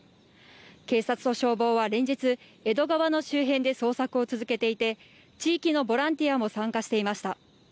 警察と消防は連日、江戸川の周辺で捜索を続けていて、地域のボランティアも参加していました。